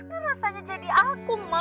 gimana rasanya jadi aku ma